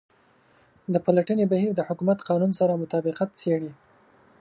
د پلټنې بهیر د حکومت قانون سره مطابقت څیړي.